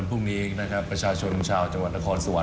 พรุ่งนี้นะครับประชาชนชาวจังหวัดนครสวรร